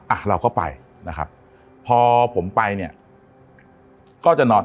อ่ะเราก็ไปนะครับพอผมไปเนี่ยก็จะนอน